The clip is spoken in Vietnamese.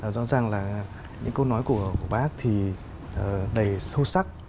rõ ràng là những câu nói của bác thì đầy sâu sắc